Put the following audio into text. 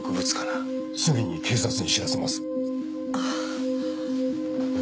すぐに警察に知らせます。